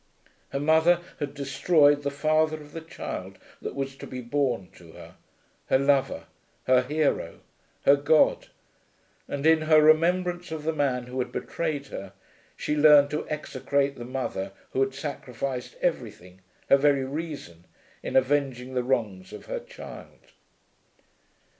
Her mother had destroyed the father of the child that was to be born to her, her lover, her hero, her god; and in her remembrance of the man who had betrayed her, she learned to execrate the mother who had sacrificed everything, her very reason, in avenging the wrongs of her child!